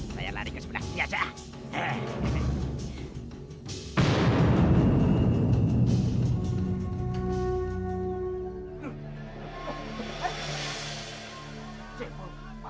ber tradition mereka